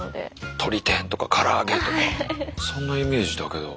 とり天とか唐揚げとかそんなイメージだけど。